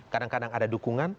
kadang kadang ada dukungan